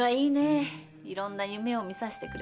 いろんな夢を見させてくれてさ。